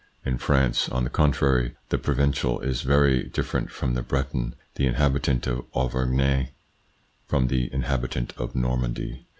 In France, on the contrary, the Provencal is very different from the Breton, the inhabitant of Auvergne from the inhabitant of Normandy.